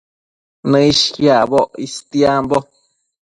Nëishquiacboc istiambo